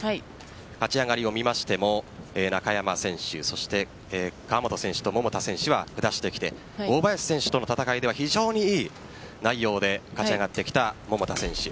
立ち上がりを見ましても中山選手川本選手と桃田選手は下してきて大林選手との戦いでは非常に良い内容で勝ち上がってきた桃田選手。